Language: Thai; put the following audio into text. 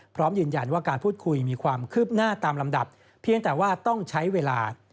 พร้อมยืนยันว่าการพูดคุยมีความคืบหน้าตามลำดับเพียงแต่ว่าต้องใช้เวลา